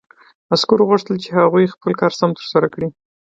عسکرو غوښتل چې هغوی خپل کار سم ترسره کړي